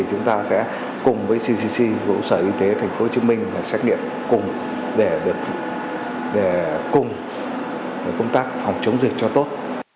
chúng ta sẽ cùng với cdc và sở y tế tp hcm xét nghiệm cùng để cùng công tác phòng chống dịch cho tốt